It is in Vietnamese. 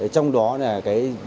trong đó là cái